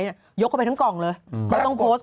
ยกเข้าไปทั้งกล่องเลยไม่ต้องโพสต์